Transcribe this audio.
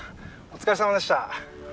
お疲れさまでした。